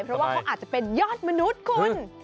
เพราะว่าเขาอาจจะเป็นยอดมนุษย์คุณ